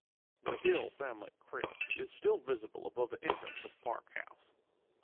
The Hill family crest is still visible above the entrance to the park house.